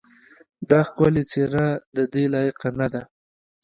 دا ښکلې څېره ددې لایقه نه ده.